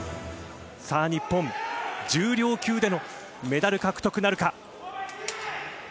さあ日本、重量級でのメダル獲得なるか。